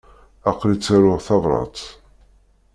Aql-i ttaruɣ tabrat.